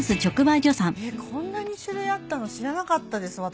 えっこんなに種類あったの知らなかったです私。